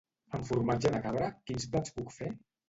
Amb formatge de cabra quins plats puc fer?